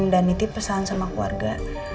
dan nity pesan sama keluarga